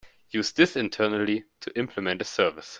Use this internally to implement a service.